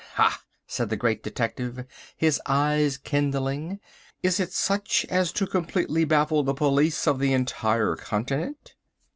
"Ha!" said the Great Detective, his eye kindling, "is it such as to completely baffle the police of the entire continent?"